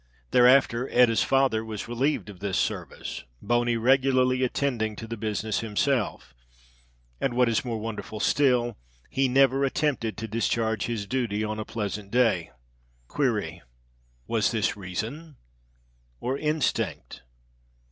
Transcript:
Thereafter Etta's father was relieved of this service, Boney regularly attending to the business himself, and, what is more wonderful still, he never attempted to discharge his duty on a pleasant day. Query. Was this reason or instinct?